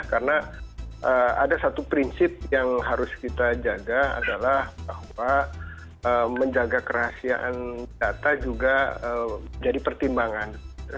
karena ada satu prinsip yang harus kita jaga adalah bahwa menjaga kerahasiaan data juga menjadi pertimbangan